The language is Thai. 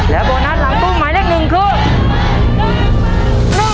แล้วโบนัสหลังตู้หมายเลขหนึ่งคือ